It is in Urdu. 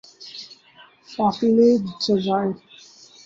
فاکلینڈ جزائر